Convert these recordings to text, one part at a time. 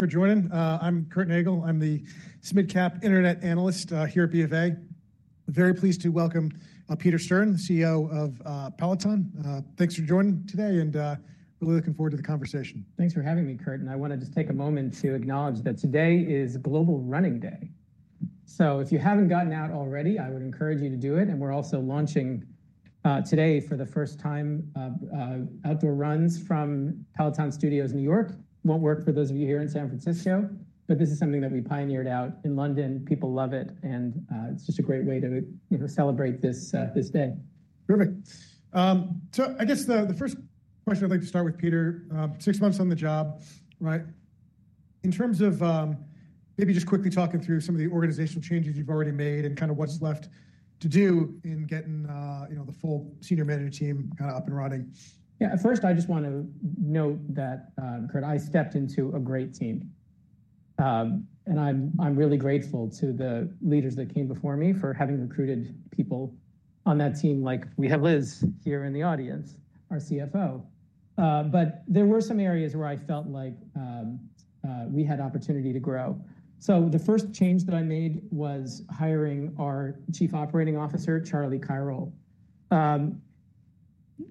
For joining. I'm Curti Nagel. I'm the SMIDCAP Internet Analyst here at B of A. Very pleased to welcome Peter Stern, CEO of Peloton. Thanks for joining today, and really looking forward to the conversation. Thanks for having me, Curti. I want to just take a moment to acknowledge that today is Global Running Day. If you have not gotten out already, I would encourage you to do it. We are also launching today for the first time outdoor runs from Peloton Studios New York. It will not work for those of you here in San Francisco, but this is something that we pioneered out in London. People love it, and it is just a great way to celebrate this day. Perfect. I guess the first question I'd like to start with, Peter. Six months on the job, right? In terms of maybe just quickly talking through some of the organizational changes you've already made and kind of what's left to do in getting the full senior manager team kind of up and running. Yeah. First, I just want to note that, Curti, I stepped into a great team. And I'm really grateful to the leaders that came before me for having recruited people on that team, like we have Liz here in the audience, our CFO. But there were some areas where I felt like we had opportunity to grow. The first change that I made was hiring our Chief Operating Officer, Charlie Kirol.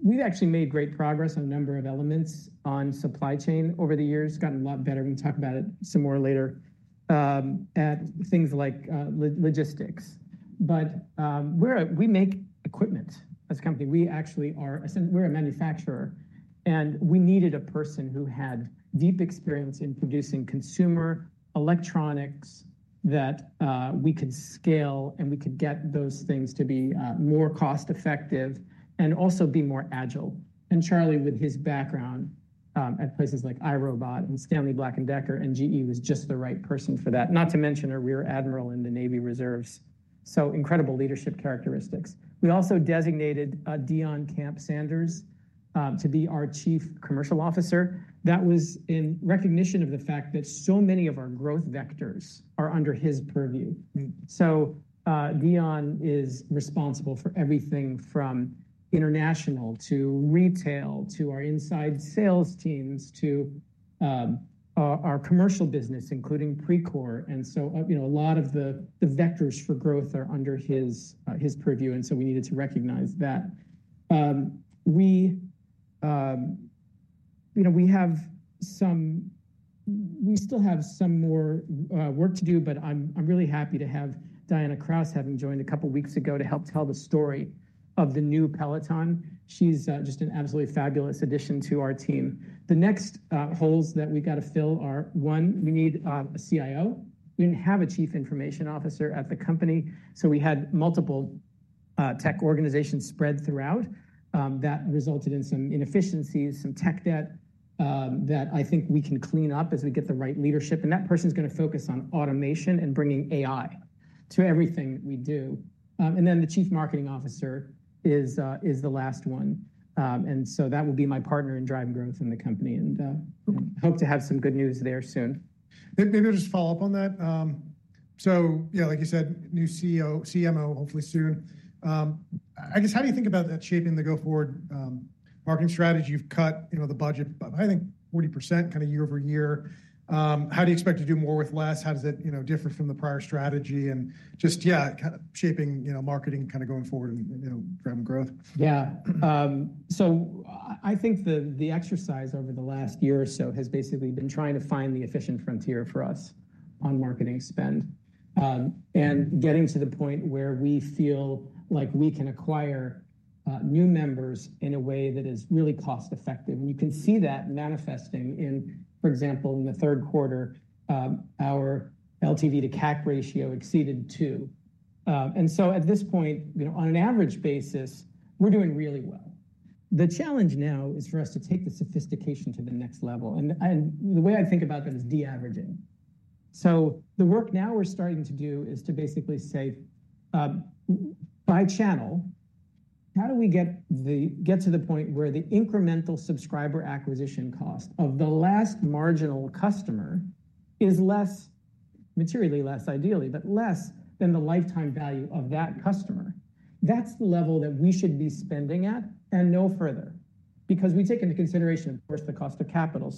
We've actually made great progress on a number of elements on supply chain over the years. Gotten a lot better. We can talk about it some more later at things like logistics. We make equipment as a company. We actually are a manufacturer, and we needed a person who had deep experience in producing consumer electronics that we could scale and we could get those things to be more cost-effective and also be more agile. Charlie, with his background at places like iRobot and Stanley Black & Decker, and GE, was just the right person for that. Not to mention a Rear Admiral in the Navy Reserves. Incredible leadership characteristics. We also designated Dionne Camp Sanders to be our Chief Commercial Officer. That was in recognition of the fact that so many of our growth vectors are under his purview. Dionne is responsible for everything from international to retail to our inside sales teams to our commercial business, including Precor. A lot of the vectors for growth are under his purview, and we needed to recognize that. We still have some more work to do, but I'm really happy to have Diana Kraus, having joined a couple of weeks ago to help tell the story of the new Peloton. She's just an absolutely fabulous addition to our team. The next holes that we've got to fill are, one, we need a CIO. We didn't have a Chief Information Officer at the company, so we had multiple tech organizations spread throughout. That resulted in some inefficiencies, some tech debt that I think we can clean up as we get the right leadership. That person is going to focus on automation and bringing AI to everything we do. The Chief Marketing Officer is the last one. That will be my partner in driving growth in the company. Hope to have some good news there soon. Maybe I'll just follow up on that. Yeah, like you said, new CMO hopefully soon. I guess, how do you think about that shaping the go-forward marketing strategy? You've cut the budget by, I think, 40% kind of year over year. How do you expect to do more with less? How does that differ from the prior strategy? Just, yeah, kind of shaping marketing kind of going forward and driving growth. Yeah. I think the exercise over the last year or so has basically been trying to find the efficient frontier for us on marketing spend and getting to the point where we feel like we can acquire new members in a way that is really cost-effective. You can see that manifesting in, for example, in the third quarter, our LTV to CAC ratio exceeded two. At this point, on an average basis, we're doing really well. The challenge now is for us to take the sophistication to the next level. The way I think about that is de-averaging. The work now we're starting to do is to basically say, by channel, how do we get to the point where the incremental subscriber acquisition cost of the last marginal customer is less, materially less ideally, but less than the lifetime value of that customer? That's the level that we should be spending at and no further. Because we take into consideration, of course, the cost of capital.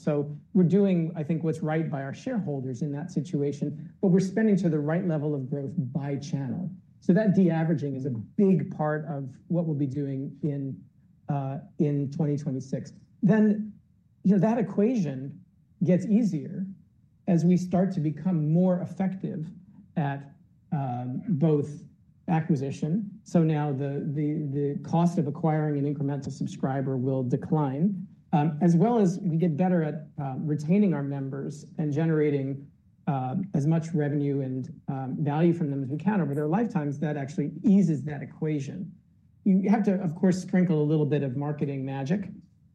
We're doing, I think, what's right by our shareholders in that situation, but we're spending to the right level of growth by channel. That de-averaging is a big part of what we'll be doing in 2026. That equation gets easier as we start to become more effective at both acquisition. Now the cost of acquiring an incremental subscriber will decline, as well as we get better at retaining our members and generating as much revenue and value from them as we can over their lifetimes. That actually eases that equation. You have to, of course, sprinkle a little bit of marketing magic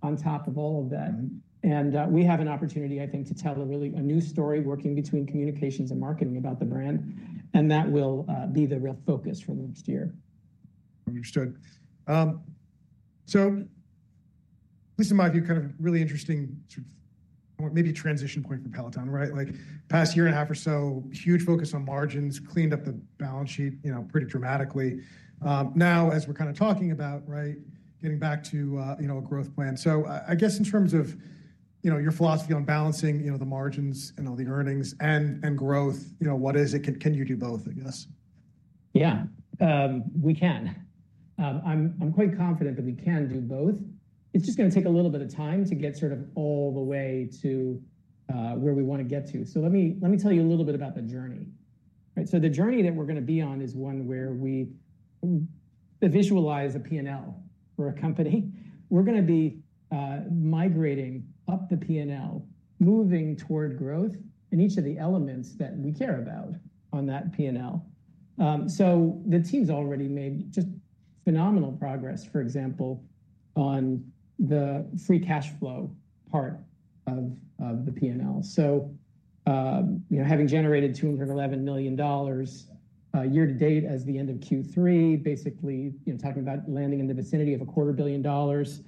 on top of all of that. We have an opportunity, I think, to tell a new story working between communications and marketing about the brand. That will be the real focus for the next year. Understood. So Liz and Mike, you're kind of really interesting, maybe a transition point for Peloton, right? Like past year and a half or so, huge focus on margins, cleaned up the balance sheet pretty dramatically. Now, as we're kind of talking about getting back to a growth plan. So I guess in terms of your philosophy on balancing the margins and all the earnings and growth, what is it? Can you do both, I guess? Yeah, we can. I'm quite confident that we can do both. It's just going to take a little bit of time to get sort of all the way to where we want to get to. Let me tell you a little bit about the journey. The journey that we're going to be on is one where we visualize a P&L for a company. We're going to be migrating up the P&L, moving toward growth in each of the elements that we care about on that P&L. The team's already made just phenomenal progress, for example, on the free cash flow part of the P&L. Having generated $211 million year to date as the end of Q3, basically talking about landing in the vicinity of a quarter billion dollars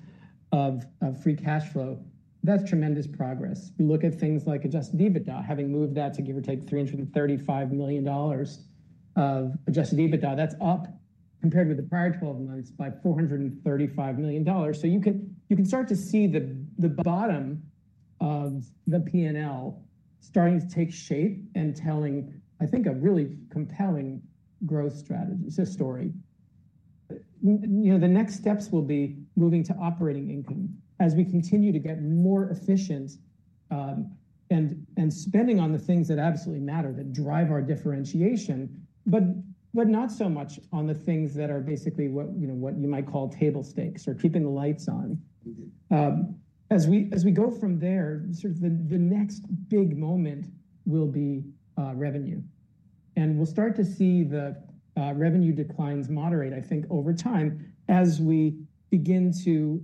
of free cash flow, that's tremendous progress. You look at things like adjusted EBITDA, having moved that to give or take $335 million of adjusted EBITDA. That's up compared with the prior 12 months by $435 million. You can start to see the bottom of the P&L starting to take shape and telling, I think, a really compelling growth strategy story. The next steps will be moving to operating income as we continue to get more efficient and spending on the things that absolutely matter, that drive our differentiation, but not so much on the things that are basically what you might call table stakes or keeping the lights on. As we go from there, the next big moment will be revenue. We will start to see the revenue declines moderate, I think, over time as we begin to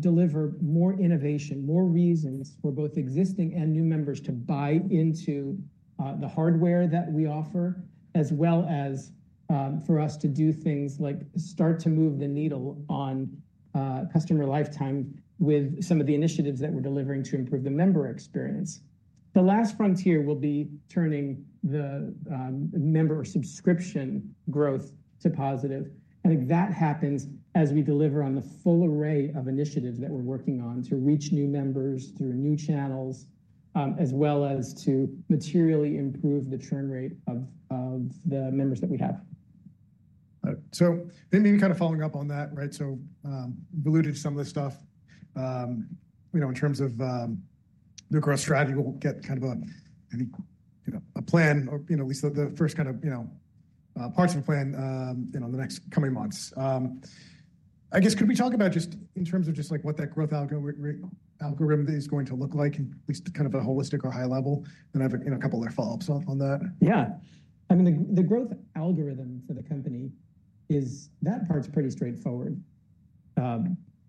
deliver more innovation, more reasons for both existing and new members to buy into the hardware that we offer, as well as for us to do things like start to move the needle on customer lifetime with some of the initiatives that we are delivering to improve the member experience. The last frontier will be turning the member subscription growth to positive. I think that happens as we deliver on the full array of initiatives that we are working on to reach new members through new channels, as well as to materially improve the churn rate of the members that we have. Maybe kind of following up on that, right? We alluded to some of this stuff in terms of the growth strategy. We'll get kind of a plan, at least the first kind of parts of a plan in the next coming months. I guess, could we talk about just in terms of just what that growth algorithm is going to look like, at least kind of a holistic or high level? I have a couple of follow-ups on that. Yeah. I mean, the growth algorithm for the company, that part's pretty straightforward.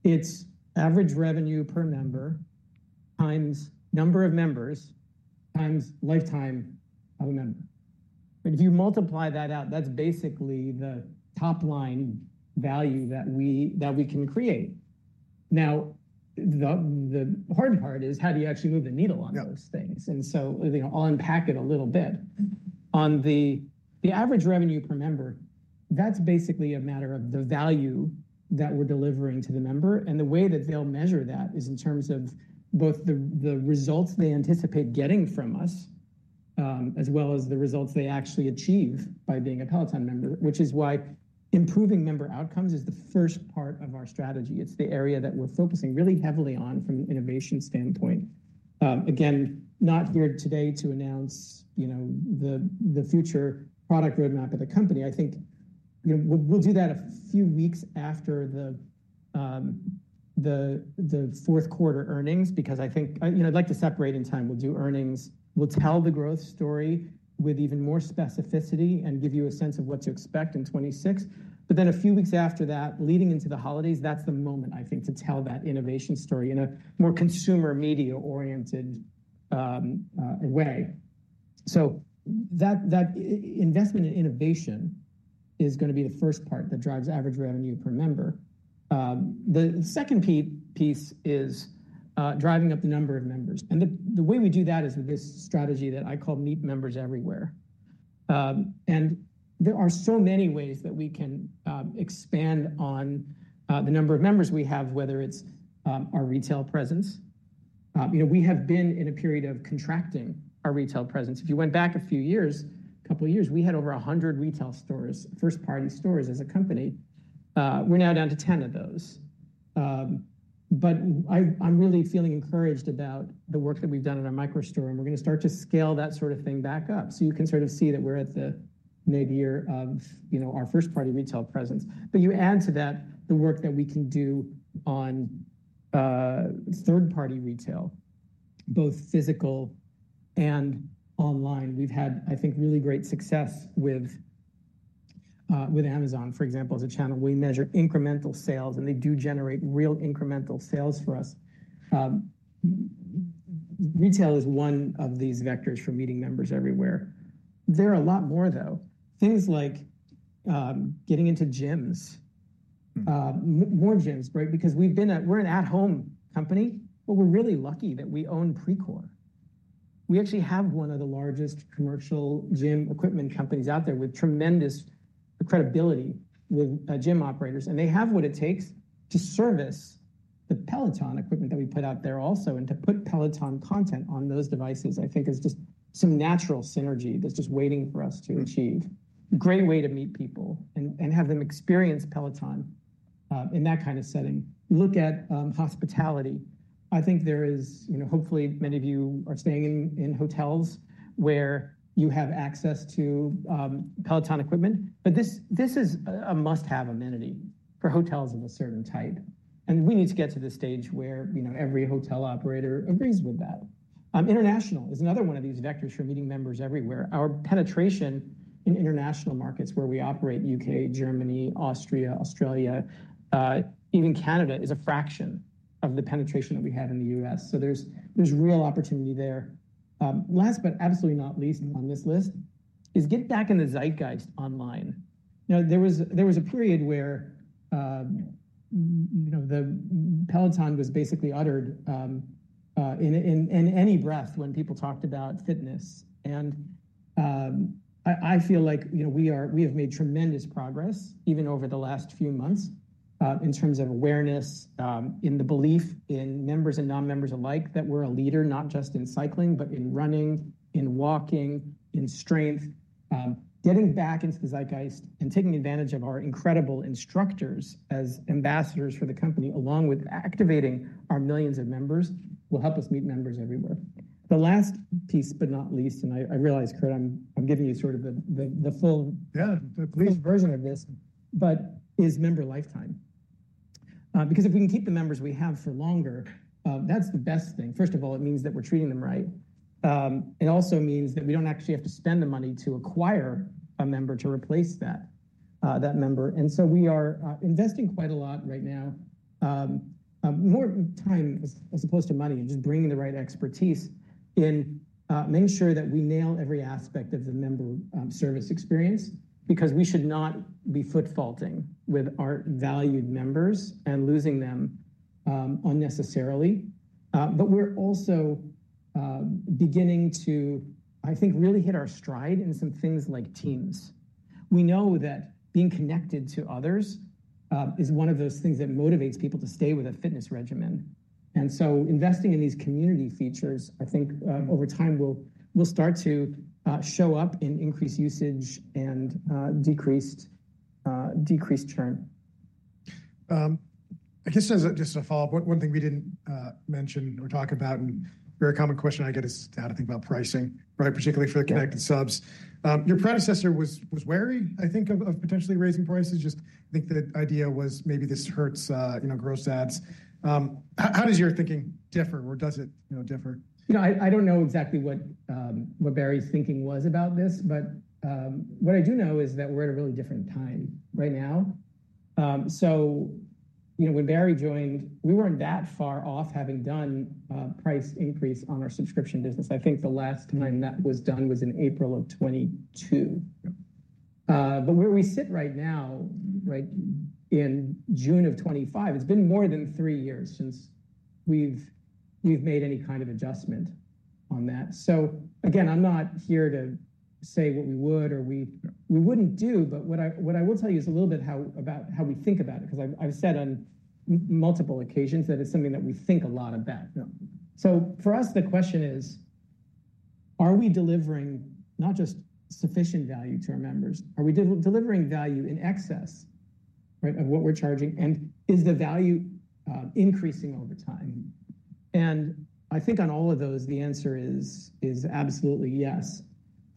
It's average revenue per member times number of members times lifetime of a member. If you multiply that out, that's basically the top line value that we can create. Now, the hard part is how do you actually move the needle on those things? I'll unpack it a little bit. On the average revenue per member, that's basically a matter of the value that we're delivering to the member. The way that they'll measure that is in terms of both the results they anticipate getting from us, as well as the results they actually achieve by being a Peloton member, which is why improving member outcomes is the first part of our strategy. It's the area that we're focusing really heavily on from an innovation standpoint. Again, not here today to announce the future product roadmap of the company. I think we'll do that a few weeks after the fourth quarter earnings, because I think I'd like to separate in time. We'll do earnings. We'll tell the growth story with even more specificity and give you a sense of what to expect in 2026. A few weeks after that, leading into the holidays, that's the moment, I think, to tell that innovation story in a more consumer media-oriented way. That investment in innovation is going to be the first part that drives average revenue per member. The second piece is driving up the number of members. The way we do that is with this strategy that I call meet members everywhere. There are so many ways that we can expand on the number of members we have, whether it's our retail presence. We have been in a period of contracting our retail presence. If you went back a few years, a couple of years, we had over 100 retail stores, first-party stores as a company. We're now down to 10 of those. I'm really feeling encouraged about the work that we've done in our micro store. We're going to start to scale that sort of thing back up. You can sort of see that we're at the mid-year of our first-party retail presence. You add to that the work that we can do on third-party retail, both physical and online. We've had, I think, really great success with Amazon, for example, as a channel. We measure incremental sales, and they do generate real incremental sales for us. Retail is one of these vectors for meeting members everywhere. There are a lot more, though. Things like getting into gyms, more gyms, right? Because we're an at-home company, but we're really lucky that we own Precor. We actually have one of the largest commercial gym equipment companies out there with tremendous credibility with gym operators. They have what it takes to service the Peloton equipment that we put out there also. To put Peloton content on those devices, I think, is just some natural synergy that's just waiting for us to achieve. Great way to meet people and have them experience Peloton in that kind of setting. Look at hospitality. I think there is, hopefully, many of you are staying in hotels where you have access to Peloton equipment. This is a must-have amenity for hotels of a certain type. We need to get to the stage where every hotel operator agrees with that. International is another one of these vectors for meeting members everywhere. Our penetration in international markets where we operate, U.K., Germany, Austria, Australia, even Canada, is a fraction of the penetration that we had in the U.S. There is real opportunity there. Last, but absolutely not least on this list, is get back in the zeitgeist online. There was a period where Peloton was basically uttered in any breath when people talked about fitness. I feel like we have made tremendous progress, even over the last few months, in terms of awareness, in the belief in members and non-members alike that we are a leader, not just in cycling, but in running, in walking, in strength. Getting back into the zeitgeist and taking advantage of our incredible instructors as ambassadors for the company, along with activating our millions of members, will help us meet members everywhere. The last piece, but not least, and I realized, Curti, I'm giving you sort of the full version of this, but is member lifetime. Because if we can keep the members we have for longer, that's the best thing. First of all, it means that we're treating them right. It also means that we don't actually have to spend the money to acquire a member to replace that member. We are investing quite a lot right now, more time as opposed to money, and just bringing the right expertise in making sure that we nail every aspect of the member service experience. Because we should not be foot faulting with our valued members and losing them unnecessarily. We're also beginning to, I think, really hit our stride in some things like teams. We know that being connected to others is one of those things that motivates people to stay with a fitness regimen. And so investing in these community features, I think over time will start to show up in increased usage and decreased churn. I guess just to follow up, one thing we did not mention or talk about, and very common question I get is how to think about pricing, particularly for the connected subs. Your predecessor was wary, I think, of potentially raising prices. Just I think the idea was maybe this hurts gross ads. How does your thinking differ, or does it differ? I don't know exactly what Barry's thinking was about this, but what I do know is that we're at a really different time right now. When Barry joined, we weren't that far off having done a price increase on our subscription business. I think the last time that was done was in April of 2022. Where we sit right now, in June of 2025, it's been more than three years since we've made any kind of adjustment on that. I'm not here to say what we would or we wouldn't do, but what I will tell you is a little bit about how we think about it, because I've said on multiple occasions that it's something that we think a lot about. For us, the question is, are we delivering not just sufficient value to our members? Are we delivering value in excess of what we're charging? Is the value increasing over time? I think on all of those, the answer is absolutely yes.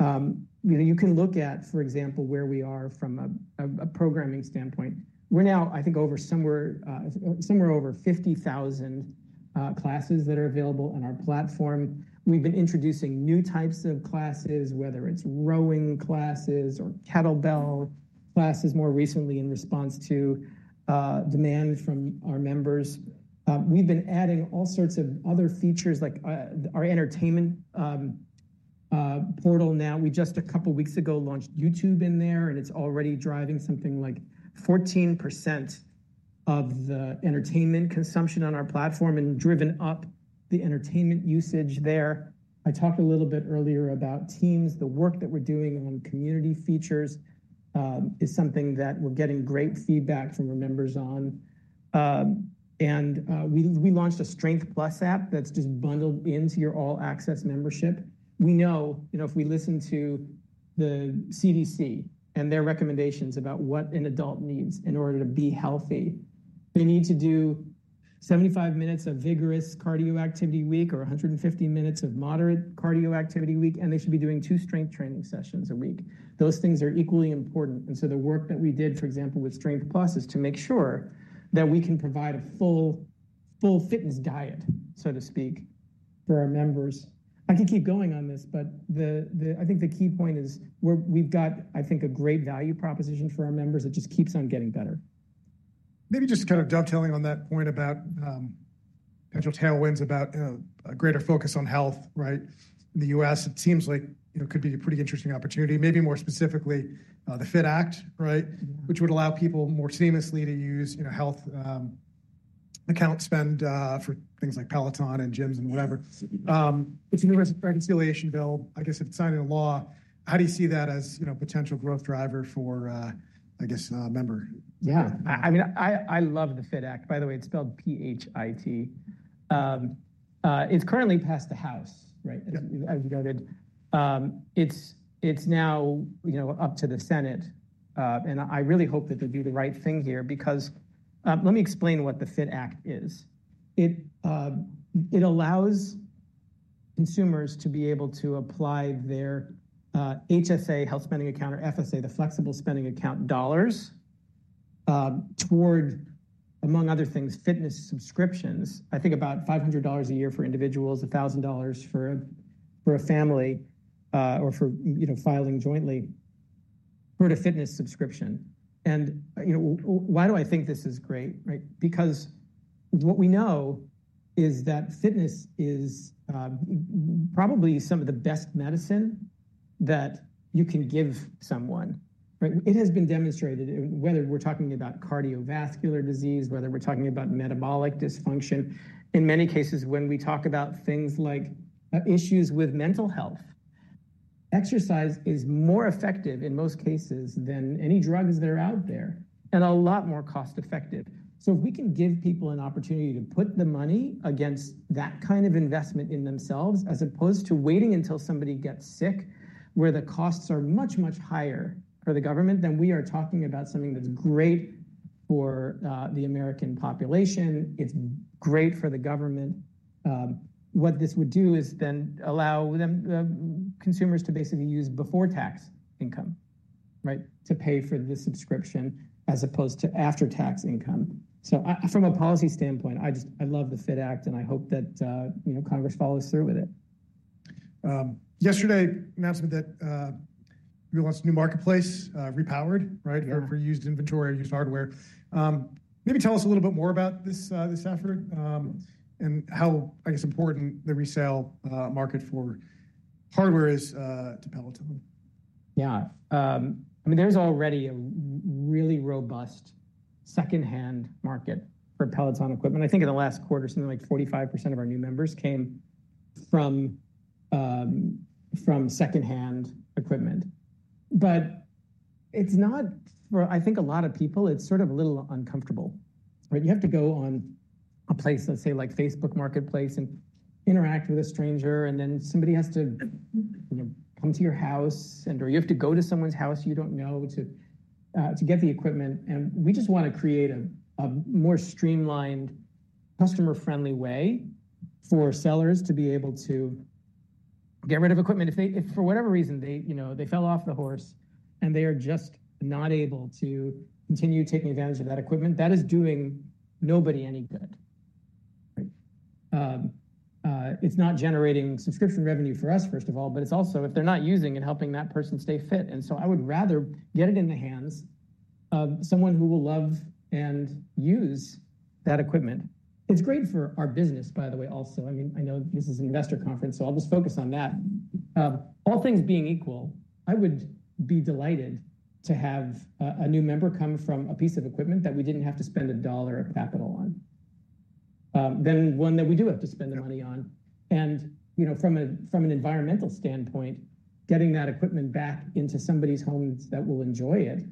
You can look at, for example, where we are from a programming standpoint. We're now, I think, somewhere over 50,000 classes that are available on our platform. We've been introducing new types of classes, whether it's rowing classes or kettlebell classes more recently in response to demand from our members. We've been adding all sorts of other features, like our entertainment portal now. We just a couple of weeks ago launched YouTube in there, and it's already driving something like 14% of the entertainment consumption on our platform and driven up the entertainment usage there. I talked a little bit earlier about teams. The work that we're doing on community features is something that we're getting great feedback from our members on. We launched a Strength Plus app that's just bundled into your all-access membership. We know if we listen to the CDC and their recommendations about what an adult needs in order to be healthy, they need to do 75 minutes of vigorous cardio activity a week or 150 minutes of moderate cardio activity a week, and they should be doing two strength training sessions a week. Those things are equally important. The work that we did, for example, with Strength Plus is to make sure that we can provide a full fitness diet, so to speak, for our members. I can keep going on this, but I think the key point is we've got, I think, a great value proposition for our members that just keeps on getting better. Maybe just kind of dovetailing on that point about potential tailwinds about a greater focus on health, right? In the U.S., it seems like it could be a pretty interesting opportunity, maybe more specifically the fit act, which would allow people more seamlessly to use health accounts spend for things like Peloton and gyms and whatever. It's a new reconciliation bill. I guess if it's not in a law, how do you see that as a potential growth driver for, I guess, a member? Yeah. I mean, I love the fit act. By the way, it's spelled PHIT. It's currently passed the house, as you noted. It's now up to the Senate. I really hope that they do the right thing here, because let me explain what the fit act is. It allows consumers to be able to apply their HSA, health savings account, or FSA, the flexible spending account dollars toward, among other things, fitness subscriptions. I think about $500 a year for individuals, $1,000 for a family, or for filing jointly for a fitness subscription. Why do I think this is great? Because what we know is that fitness is probably some of the best medicine that you can give someone. It has been demonstrated, whether we're talking about cardiovascular disease, whether we're talking about metabolic dysfunction. In many cases, when we talk about things like issues with mental health, exercise is more effective in most cases than any drugs that are out there and a lot more cost-effective. If we can give people an opportunity to put the money against that kind of investment in themselves, as opposed to waiting until somebody gets sick, where the costs are much, much higher for the government, we are talking about something that's great for the American population. It's great for the government. What this would do is then allow consumers to basically use before-tax income to pay for the subscription as opposed to after-tax income. From a policy standpoint, I love the fit act, and I hope that Congress follows through with it. Yesterday, announcement that we launched a new marketplace, Repowered, for used inventory or used hardware. Maybe tell us a little bit more about this effort and how, I guess, important the resale market for hardware is to Peloton. Yeah. I mean, there's already a really robust secondhand market for Peloton equipment. I think in the last quarter, something like 45% of our new members came from secondhand equipment. It is not for, I think, a lot of people. It is sort of a little uncomfortable. You have to go on a place, let's say, like Facebook marketplace, and interact with a stranger, and then somebody has to come to your house, and/or you have to go to someone's house you do not know to get the equipment. We just want to create a more streamlined, customer-friendly way for sellers to be able to get rid of equipment. If for whatever reason they fell off the horse and they are just not able to continue taking advantage of that equipment, that is doing nobody any good. It's not generating subscription revenue for us, first of all, but it's also if they're not using and helping that person stay fit. I would rather get it in the hands of someone who will love and use that equipment. It's great for our business, by the way, also. I mean, I know this is an investor conference, so I'll just focus on that. All things being equal, I would be delighted to have a new member come from a piece of equipment that we didn't have to spend a dollar of capital on, then one that we do have to spend the money on. From an environmental standpoint, getting that equipment back into somebody's home that will enjoy it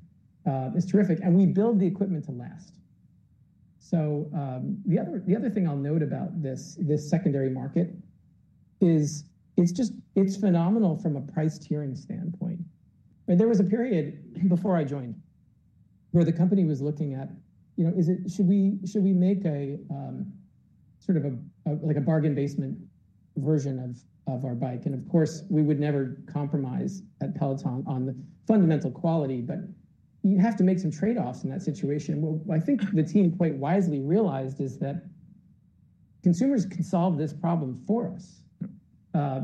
is terrific. We build the equipment to last. The other thing I'll note about this secondary market is it's phenomenal from a price-tiering standpoint. There was a period before I joined where the company was looking at, should we make sort of like a bargain-basement version of our bike? Of course, we would never compromise at Peloton on the fundamental quality, but you have to make some trade-offs in that situation. What I think the team quite wisely realized is that consumers can solve this problem for us.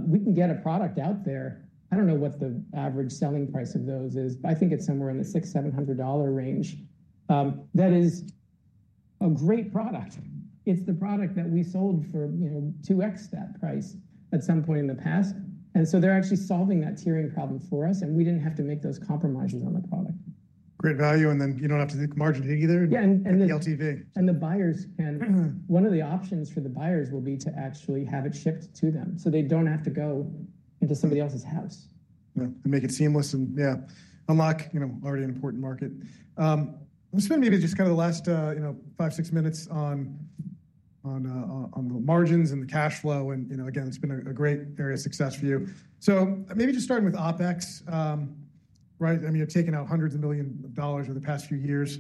We can get a product out there. I do not know what the average selling price of those is, but I think it is somewhere in the $600-$700 range. That is a great product. It is the product that we sold for 2x that price at some point in the past. They are actually solving that tiering problem for us, and we did not have to make those compromises on the product. Great value. You do not have to think of margin either. Yeah. The buyers can, one of the options for the buyers will be to actually have it shipped to them so they don't have to go into somebody else's house. Make it seamless and, yeah, unlock already an important market. Let's spend maybe just kind of the last five, six minutes on the margins and the cash flow. Again, it's been a great area of success for you. Maybe just starting with OpEx, right? I mean, you're taking out $100 million over the past few years.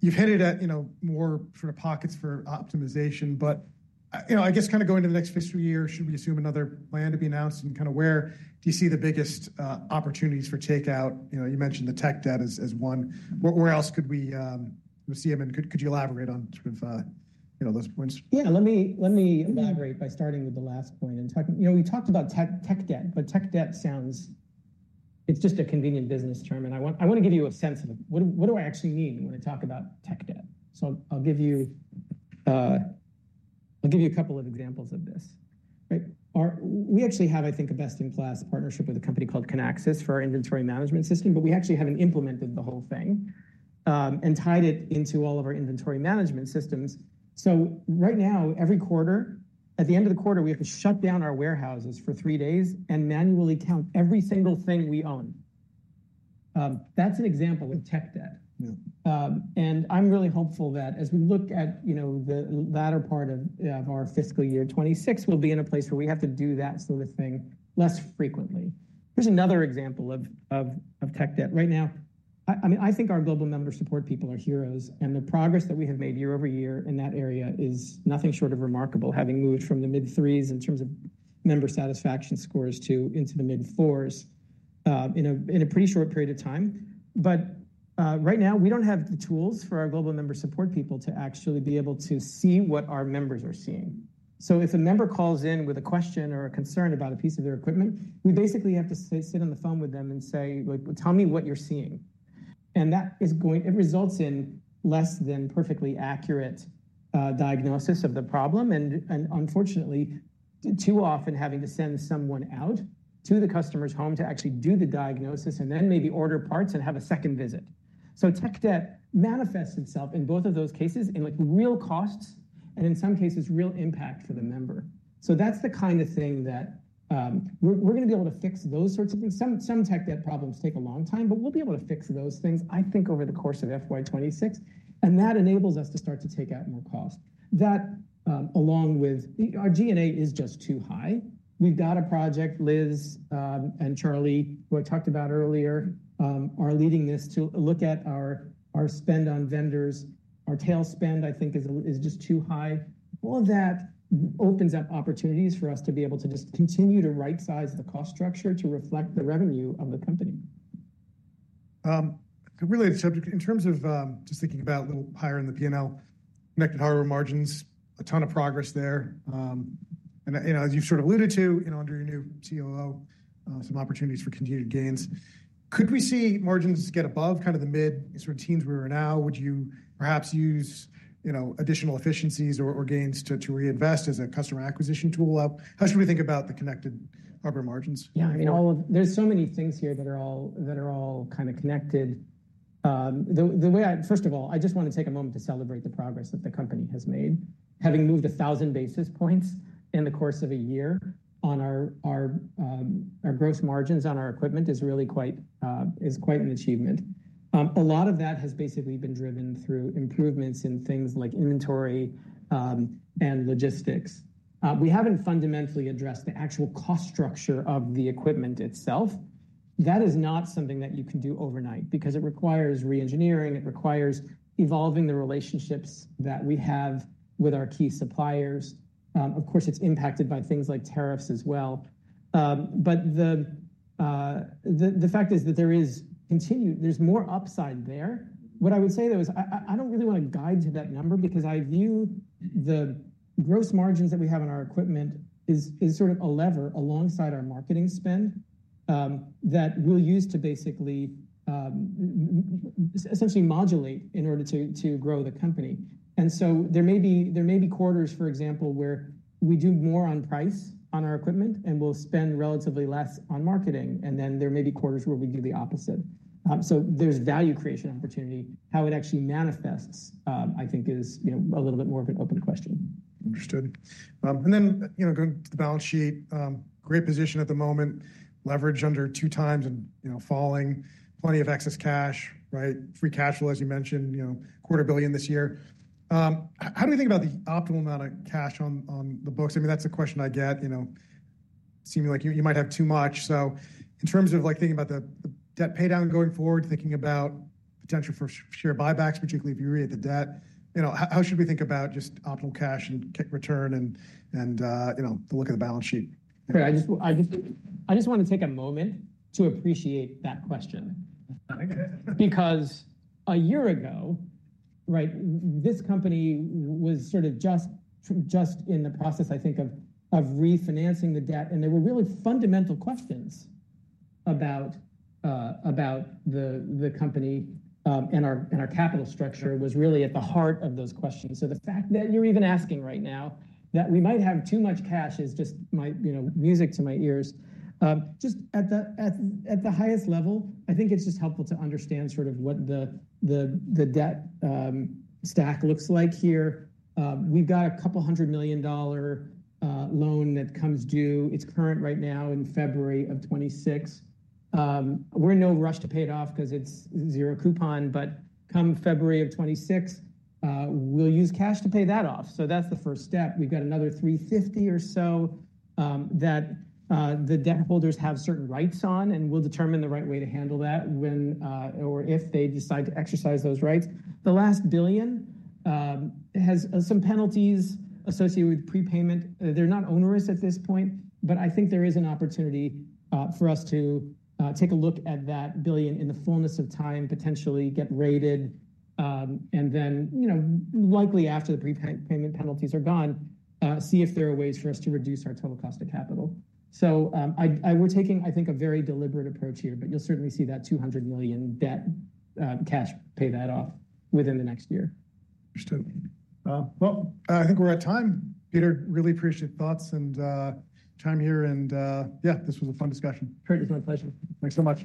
You've hinted at more sort of pockets for optimization, but I guess kind of going to the next fiscal year, should we assume another plan to be announced and kind of where do you see the biggest opportunities for takeout? You mentioned the tech debt as one. Where else could we see them? Could you elaborate on those points? Yeah. Let me elaborate by starting with the last point. We talked about tech debt, but tech debt sounds, it's just a convenient business term. I want to give you a sense of what do I actually mean when I talk about tech debt. I'll give you a couple of examples of this. We actually have, I think, a best-in-class partnership with a company called Kinaxis for our inventory management system, but we actually haven't implemented the whole thing and tied it into all of our inventory management systems. Right now, every quarter, at the end of the quarter, we have to shut down our warehouses for three days and manually count every single thing we own. That's an example of tech debt. I'm really hopeful that as we look at the latter part of our fiscal year 2026, we'll be in a place where we have to do that sort of thing less frequently. Here's another example of tech debt. Right now, I mean, I think our global member support people are heroes, and the progress that we have made year-over-year in that area is nothing short of remarkable, having moved from the mid-threes in terms of member satisfaction scores to into the mid-fours in a pretty short period of time. Right now, we don't have the tools for our global member support people to actually be able to see what our members are seeing. If a member calls in with a question or a concern about a piece of their equipment, we basically have to sit on the phone with them and say, "Tell me what you're seeing." That results in less than perfectly accurate diagnosis of the problem, and unfortunately, too often having to send someone out to the customer's home to actually do the diagnosis and then maybe order parts and have a second visit. Tech debt manifests itself in both of those cases in real costs and in some cases, real impact for the member. That's the kind of thing that we're going to be able to fix, those sorts of things. Some tech debt problems take a long time, but we'll be able to fix those things, I think, over the course of FY 2026. That enables us to start to take out more costs. That along with our G&A is just too high. We've got a project, Liz and Charlie, who I talked about earlier, are leading this to look at our spend on vendors. Our tail spend, I think, is just too high. All of that opens up opportunities for us to be able to just continue to right-size the cost structure to reflect the revenue of the company. Really, in terms of just thinking about a little higher in the P&L, connected hardware margins, a ton of progress there. As you've sort of alluded to under your new COO, some opportunities for continued gains. Could we see margins get above kind of the mid sort of teens we are now? Would you perhaps use additional efficiencies or gains to reinvest as a customer acquisition tool? How should we think about the connected hardware margins? Yeah. I mean, there's so many things here that are all kind of connected. The way I, first of all, I just want to take a moment to celebrate the progress that the company has made. Having moved 1,000 basis points in the course of a year on our gross margins on our equipment is really quite an achievement. A lot of that has basically been driven through improvements in things like inventory and logistics. We haven't fundamentally addressed the actual cost structure of the equipment itself. That is not something that you can do overnight because it requires reengineering. It requires evolving the relationships that we have with our key suppliers. Of course, it's impacted by things like tariffs as well. The fact is that there is continued more upside there. What I would say, though, is I do not really want to guide to that number because I view the gross margins that we have on our equipment as sort of a lever alongside our marketing spend that we will use to basically essentially modulate in order to grow the company. There may be quarters, for example, where we do more on price on our equipment and we will spend relatively less on marketing. There may be quarters where we do the opposite. There is value creation opportunity. How it actually manifests, I think, is a little bit more of an open question. Understood. Going to the balance sheet, great position at the moment, leverage under two times and falling, plenty of excess cash, free cash flow, as you mentioned, quarter billion this year. How do we think about the optimal amount of cash on the books? I mean, that's the question I get. It seems like you might have too much. In terms of thinking about the debt paydown going forward, thinking about potential for share buybacks, particularly if you read the debt, how should we think about just optimal cash and return and the look of the balance sheet? I just want to take a moment to appreciate that question. Because a year ago, this company was sort of just in the process, I think, of refinancing the debt. And there were really fundamental questions about the company and our capital structure was really at the heart of those questions. The fact that you're even asking right now that we might have too much cash is just music to my ears. Just at the highest level, I think it's just helpful to understand sort of what the debt stack looks like here. We've got a couple $100 million loan that comes due. It's current right now in February of 2026. We're in no rush to pay it off because it's zero coupon, but come February of 2026, we'll use cash to pay that off. That's the first step. We've got another $350 million or so that the debt holders have certain rights on, and we'll determine the right way to handle that or if they decide to exercise those rights. The last $1 billion has some penalties associated with prepayment. They're not onerous at this point, but I think there is an opportunity for us to take a look at that $1 billion in the fullness of time, potentially get rated, and then likely after the prepayment penalties are gone, see if there are ways for us to reduce our total cost of capital. We're taking, I think, a very deliberate approach here, but you'll certainly see that $200 million debt cash pay that off within the next year. Understood. I think we're at time. Peter, really appreciate the thoughts and time here. Yeah, this was a fun discussion. It was my pleasure. Thanks so much.